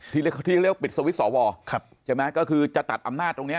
ที่เขาเรียกว่าปิดสวิตช์สวใช่ไหมก็คือจะตัดอำนาจตรงเนี้ย